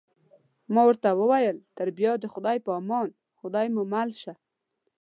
ما ورته وویل: تر بیا د خدای په امان، خدای مو مل شه.